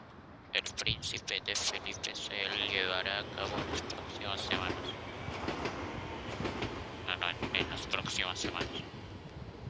El Príncipe D. Felipe se llevará a cabo en las próximas semanas.